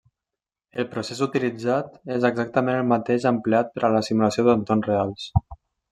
El procés utilitzat és exactament el mateix empleat per a la simulació d'entorns reals.